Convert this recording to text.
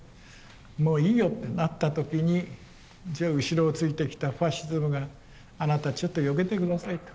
もういいよってなった時にじゃあ後ろをついてきたファシズムがあなたちょっとよけて下さいと。